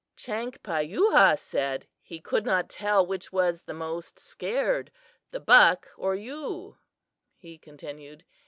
Chankpayuhah said he could not tell which was the most scared, the buck or you," he continued.